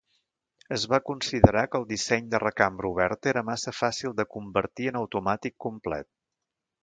Es va considerar que el disseny de recambra oberta era massa fàcil de convertir en automàtic complet.